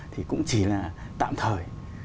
thì cũng chỉ là tạm thời